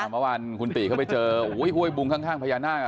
เมื่อวานคุณติเข้าไปเจอห้วยบุงข้างพญานาค